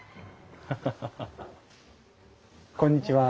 こんにちは。